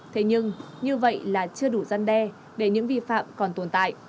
thế nhưng như vậy là chưa đủ gian đe để những vi phạm còn tồn tại